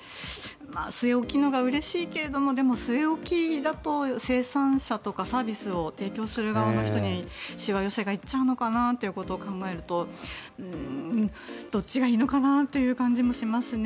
据え置きのほうが嬉しいけどもでも据え置きだと、生産者とかサービスを提供する側の人にしわ寄せが行っちゃうのかなということを考えるとどっちがいいのかなという気もしますね。